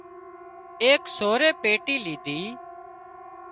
ايڪ سورئي پيٽي ليڌي